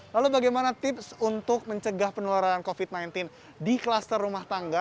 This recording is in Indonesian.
lalu bagaimana tips untuk mencegah penularan covid sembilan belas di kluster rumah tangga